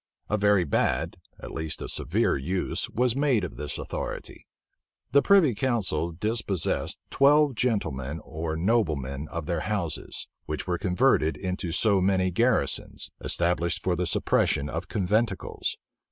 A very bad, at least a severe use was made of this authority. The privy council dispossessed twelve gentlemen or noblemen of their houses;[*] which were converted into so many garrisons, established for the suppression of conventicles.